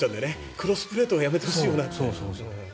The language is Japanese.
クロスプレーとかやめてほしいよなって。